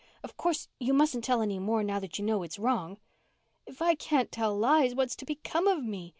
Of course, you mustn't tell any more now that you know it's wrong." "If I can't tell lies what's to become of me?"